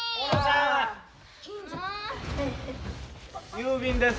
郵便です。